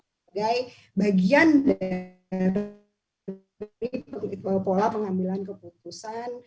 sebagai bagian dari pola pengambilan keputusan